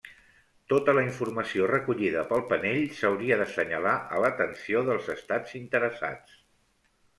Tota la informació recollida pel panell s'hauria d'assenyalar a l'atenció dels estats interessats.